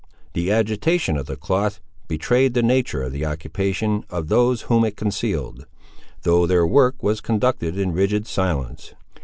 The agitation of the cloth betrayed the nature of the occupation of those whom it concealed, though their work was conducted in rigid silence.